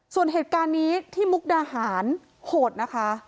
ส่วนเหตุการณ์นี้ที่มุกดาหารโหดนะคะ